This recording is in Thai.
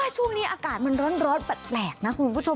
ช่วงนี้อากาศมันร้อนแปลกนะคุณผู้ชม